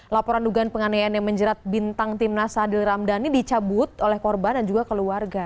laporan dugaan penganiayaan yang menjerat bintang timnas hadil ramdhani dicabut oleh korban dan juga keluarga